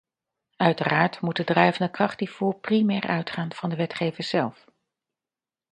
Uiteraard moet de drijvende kracht hiervoor primair uitgaan van de wetgevers zelf.